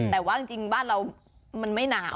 แต่ว่าจริงบ้านเรามันไม่หนาว